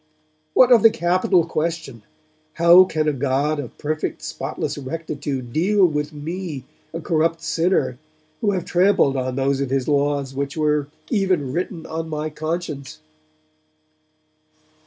What of the capital question How can a God of perfect spotless rectitude deal with me, a corrupt sinner, who have trampled on those of His laws which were even written on my conscience?...